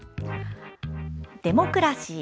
「デモクラシー」